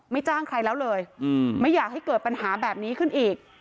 จ้างใครแล้วเลยไม่อยากให้เกิดปัญหาแบบนี้ขึ้นอีก